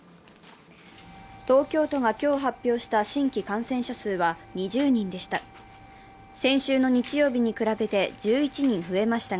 東京都が今日発表した新規感染者数は２０人でした。